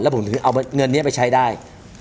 ผมถึงเอาเงินนี้ไปใช้ได้